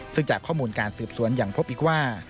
ซึ่งจากข้อมูลการสืบสวนยังพบอีกว่า